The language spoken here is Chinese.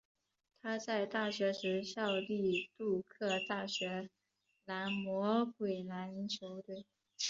他在大学时效力杜克大学蓝魔鬼篮球队。